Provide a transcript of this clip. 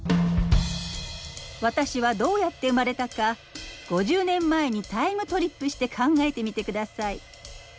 私はどうやって生まれたか５０年前にタイムトリップして考えてみて下さい。